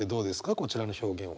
こちらの表現は。